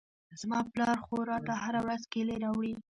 زما پلار خو راته هره ورځ کېلې راوړي.